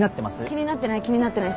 気になってない気になってない。